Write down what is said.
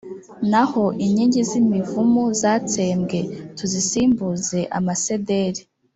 naho inkingi z’imivumu zatsembwe, tuzisimbuze amasederi.»